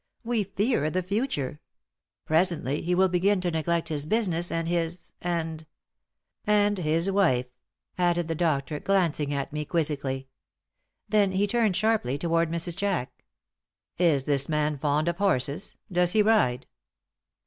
We fear the future. Presently, he will begin to neglect his business and his and " "And his wife," added the doctor, glancing at me, quizzically. Then he turned sharply toward Mrs. Jack. "Is this man fond of horses? Does he ride?"